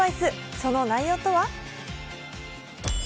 その内容とは？